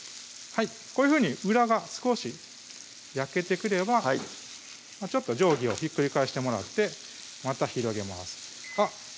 こういうふうに裏が少し焼けてくれば上下をひっくり返してもらってまた広げますあっ